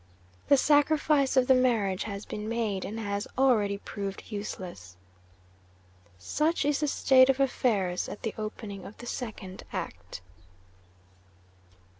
The sacrifice of the marriage has been made, and has already proved useless. 'Such is the state of affairs at the opening of the Second Act.